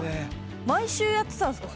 毎週やってたんですか？